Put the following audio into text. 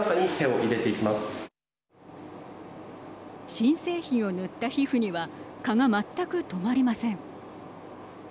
新製品を塗った皮膚には蚊が全く止まりません。